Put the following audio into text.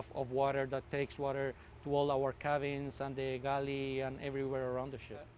air yang mengambil air ke semua kabin dan galet dan di seluruh tempat di sekitar kapal